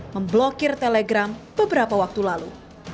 memblokir telegram beberapa waktu lalu